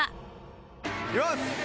よし！